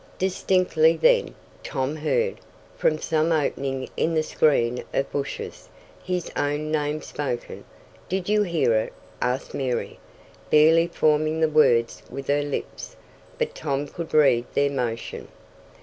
Distinctly then, Tom heard, from some opening in the screen of bushes, his own name spoken. "Did you hear it?" asked Mary, barely forming the words with her lips. But Tom could read their motion.